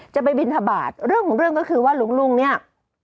จะไปบินทบาทเรื่องของเรื่องก็คือว่าหลวงลุงเนี่ย